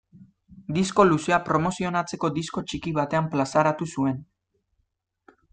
Disko luzea promozionatzeko disko txiki batean plazaratu zuen.